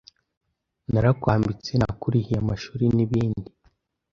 narakwambitse nakurihiye amashuri n’ibindi